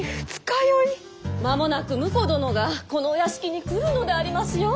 間もなく婿殿がこのお屋敷に来るのでありますよ。